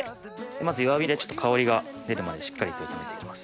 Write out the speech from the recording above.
まず弱火で香りが出るまでしっかりと炒めていきます。